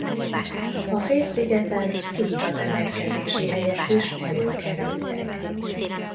A félszigeten szkíta temetkezési helyek is előkerültek.